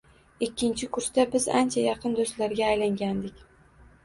Ikkinchi kursda biz ancha yaqin do`stlarga aylangandik